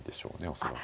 恐らく。